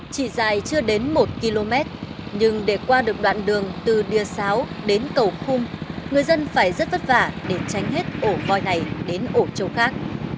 chỉ dài chưa đến một km nhưng để qua được đoạn đường từ đìa sáo đến cầu khâm người dân phải rất vất vả để tránh hết ổ voi này đến ổ châu khác